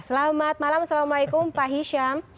selamat malam assalamualaikum pak hisham